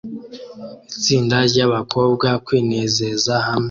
itsinda ryabakobwa kwinezeza hamwe